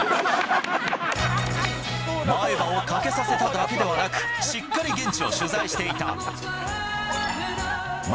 前歯を欠けさせただけではなく、しっかり現地を取材していた。